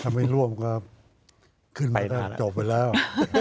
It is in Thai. ทำไมร่วมก็ขึ้นมาได้จบไปแล้ว